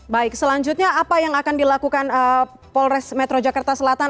baik selanjutnya apa yang akan dilakukan polres metro jakarta selatan